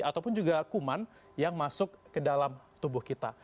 ataupun juga kuman yang masuk ke dalam tubuh kita